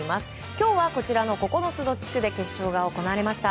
今日はこちらの９つの地区で決勝が行われました。